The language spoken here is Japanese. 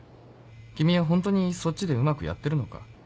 君はホントにそっちでうまくやってるのか？